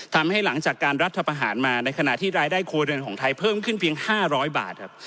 หลังจากการรัฐประหารมาในขณะที่รายได้ครัวเรือนของไทยเพิ่มขึ้นเพียง๕๐๐บาทครับ